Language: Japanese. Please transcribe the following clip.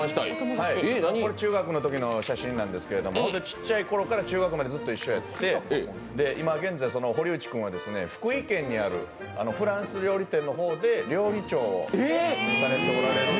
中学のときの写真なんですけど、ちっちゃいころから中国までずっと一緒でやって堀内君は福井県にあるフランス料理店の方で料理長をされているんです。